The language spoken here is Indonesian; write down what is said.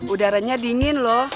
udaranya dingin loh